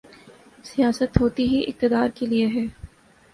سیاست ہوتی ہی اقتدار کے لیے ہے۔